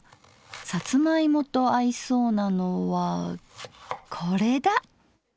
さつま芋と合いそうなのはこれだ！